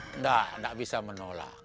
tidak tidak bisa menolak